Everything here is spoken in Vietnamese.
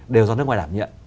đều do nước ngoài đảm nhận